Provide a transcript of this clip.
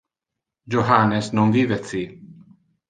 Johannes non vive ci.